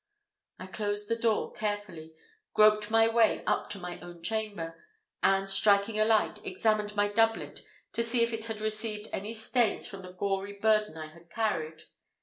I closed the door carefully, groped my way up to my own chamber, and striking a light, examined my doublet, to see if it had received any stains from the gory burden I had carried.